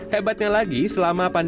hebatnya lagi selama pandangnya